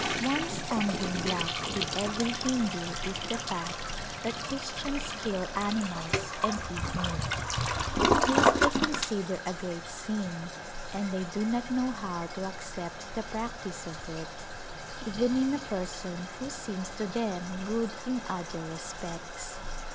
One stumbling block with every Hindu is the fact that Christians kill animals and eat meat. This they Distmgicished Visitors consider a great sin and they do not know how to ac cept the practice of it, even in a person who seems to them good in other respects.